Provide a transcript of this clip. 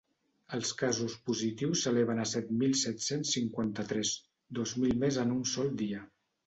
Els casos positius s’eleven a set mil set-cents cinquanta-tres, dos mil més en un sol dia.